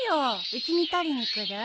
うちに取りに来る？